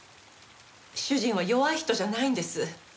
主人は弱い人じゃないんです。